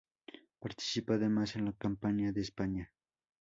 Participa además en la Campaña de España.